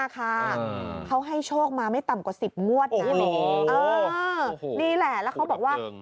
เขาให้โชคมาไม่ต่ำกว่า๑๐งวดนะนี่แหละแล้วเขาบอกว่า